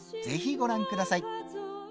ぜひご覧ください